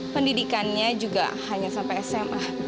pendidikannya juga hanya sampai sma